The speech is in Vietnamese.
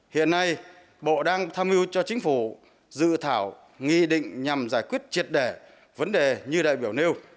hiện nay bộ đang tham mưu cho chính phủ dự thảo nghị định nhằm giải quyết triệt đẻ vấn đề như đại biểu nêu